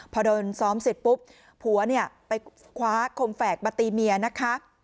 พอโดนซ้อมเสร็จปุ๊บผัวเนี่ยไปคว้าคมแฝกมาตีเมียนะคะ